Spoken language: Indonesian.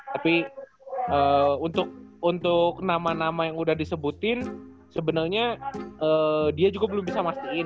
tapi untuk nama nama yang udah disebutin sebenarnya dia juga belum bisa memastikan